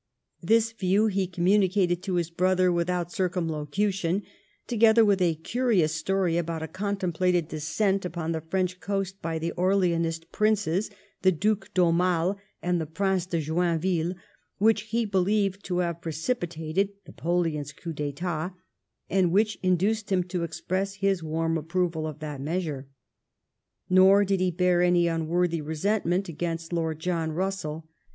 This view he communicated to his brother without oWrcumlocution, together with a curious story about a contemplated descent upon the French coast by the Orleanist princes, the Due d'Aumale and the Prince de Joinville, which he believed to have preci pitated Napoleon's coup d^eiat, and which induced him to express his warm approval of that measure. Nor did he bear any unworthy resentment against liord John Russell.